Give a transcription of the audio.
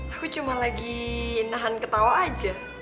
aku cuma lagi nahan ketawa aja